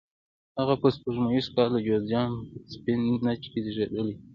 هغه په سپوږمیز کال د جوزجان په سفید نج کې زیږېدلی.